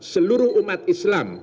seluruh umat islam